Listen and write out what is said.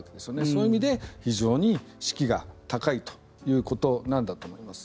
そういう意味で、非常に士気が高いということだと思います。